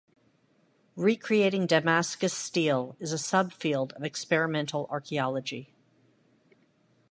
Recreating Damascus steel is a subfield of experimental archaeology.